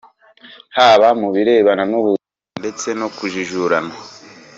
haba mu birebana n’ubuzima ndetse no kujijurana